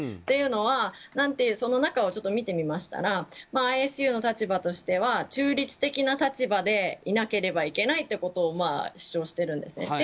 というのはその中をちょっと見てみましたらＩＳＵの立場としては中立的な立場でいなければいけないということを主張しているんですね。